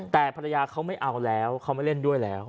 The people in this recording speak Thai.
แต่ภรรยาเขาไม่เอาแล้วเขาไม่เล่นด้วยแล้ว